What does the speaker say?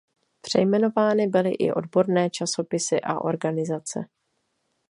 Přejmenovány byly i odborné časopisy a organizace.